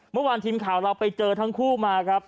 เมื่อวานทีมข่าวเราไปเจอทั้งคู่มาครับ